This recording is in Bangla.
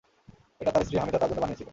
এটা তার স্ত্রী হামিদা তার জন্য বানিয়েছিল।